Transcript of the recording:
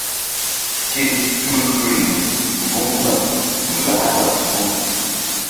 Ke tul riŋ mbuŋna su lahna su.